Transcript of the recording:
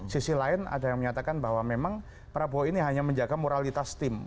sisi lain ada yang menyatakan bahwa memang prabowo ini hanya menjaga moralitas tim